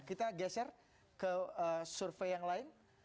kita geser ke survei yang lain